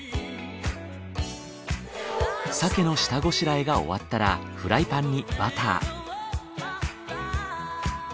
鮭の下ごしらえが終わったらフライパンにバター。